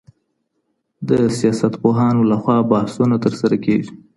د سياستپوهانو لخوا بحثونه ترسره کېږي.